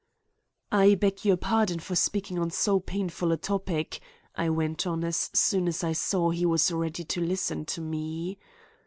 "I beg your pardon for speaking on so painful a topic," I went on, as soon as I saw he was ready to listen to me.